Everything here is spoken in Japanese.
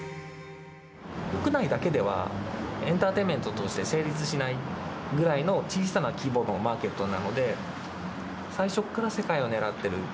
国内だけではエンターテインメントとして成立しないぐらいの小さな規模のマーケットなので、最初から世界を狙っている。